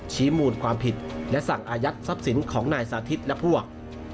ชี้มูลความผิดและสั่งอายัดทรัพย์สินของนายสาธิตและพวก